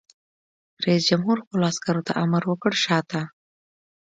رئیس جمهور خپلو عسکرو ته امر وکړ؛ شاته!